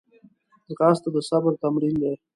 ځغاسته د صبر تمرین دی